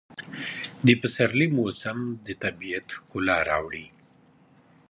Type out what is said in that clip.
د پسرلي موسم د طبیعت ښکلا راوړي.